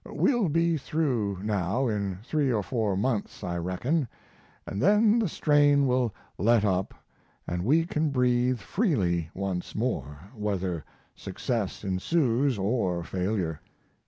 We'll be through now in 3 or 4 months, I reckon, & then the strain will let up and we can breathe freely once more, whether success ensues or failure.